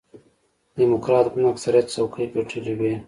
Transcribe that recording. ډیموکراټ ګوند اکثریت څوکۍ ګټلې وې.